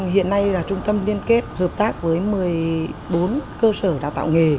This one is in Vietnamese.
hiện nay là trung tâm liên kết hợp tác với một mươi bốn cơ sở đào tạo nghề